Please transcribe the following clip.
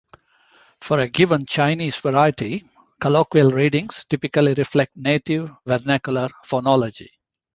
For a given Chinese variety, colloquial readings typically reflect native vernacular phonology.